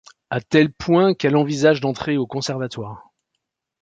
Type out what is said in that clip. À tel point qu’elle envisage d’entrer au Conservatoire.